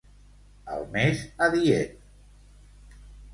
El més adient.